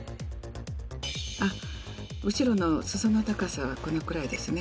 あ、後ろの裾の高さはこのくらいですね。